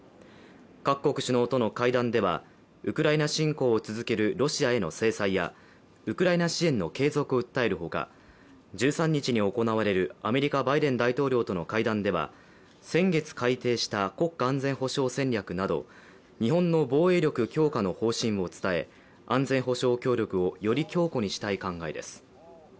各国首脳との会談ではウクライナ侵攻を続けるロシアへの制裁やウクライナ支援の継続を訴えるほか１３日に行われるアメリカバイデン大統領との会談では先月改定した国家安全保障戦略など日本の防衛力強化の方針を伝え安全保障協力をより強固にしたい考えです。